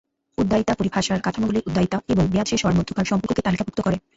উদ্বায়ীতা পরিভাষার কাঠামোগুলি উদ্বায়ীতা এবং মেয়াদ শেষ হওয়ার মধ্যকার সম্পর্ককে তালিকাভুক্ত করে।